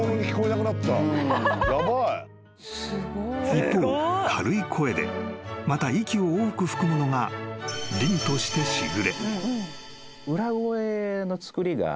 ［一方軽い声でまた息を多く含むのが凛として時雨］